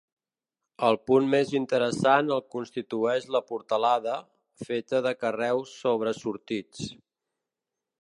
El punt més interessant el constitueix la portalada, feta de carreus sobresortits.